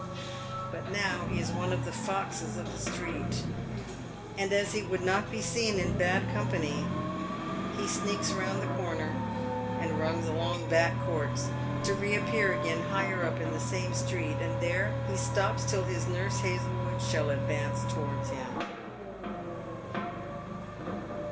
But now he is one of the foxes of the street, and as he would not be seen in bad company, he sneaks round the corner, and runs along back courts, to reappear again higher up in the same street ; and there he stops till his Nurse Hazlewood shall advance towards him.